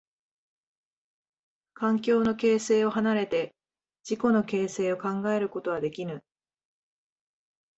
環境の形成を離れて自己の形成を考えることはできぬ。